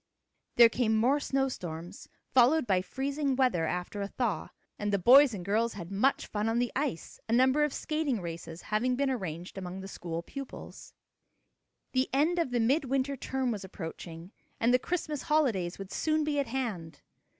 There came more snow storms, followed by freezing weather after a thaw, and the boys and girls had much fun on the ice, a number of skating races having been arranged among the school pupils. The end of the mid winter term was approaching, and the Christmas holidays would soon be at hand.